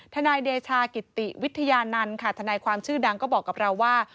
ทนายเดชากิติวิทยานันต์ค่ะทนายความชื่อดังก็บอกกับเราว่า